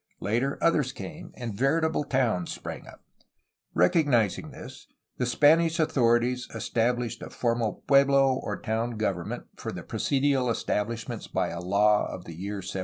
Later, others came, and veritable towns sprang up. Recognizing this, the Spanish authorities established a formal pueblo, or town, government for the presidial establishments by a law of the year 1791.